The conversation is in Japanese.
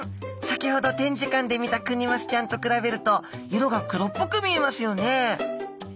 先ほど展示館で見たクニマスちゃんと比べると色が黒っぽく見えますよね。